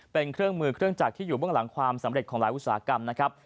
เป็นเครื่องมือเครื่องจักรที่อยู่เบื้องหลังความสำเร็จของหลายอุตสาหกรรมนะครับ